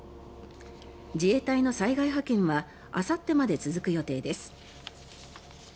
自衛隊の災害派遣はあさってまで続く予定です。